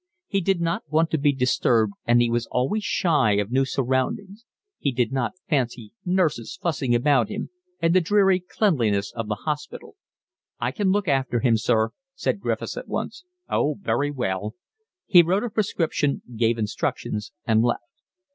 He did not want to be disturbed, and he was always shy of new surroundings. He did not fancy nurses fussing about him, and the dreary cleanliness of the hospital. "I can look after him, sir," said Griffiths at once. "Oh, very well." He wrote a prescription, gave instructions, and left.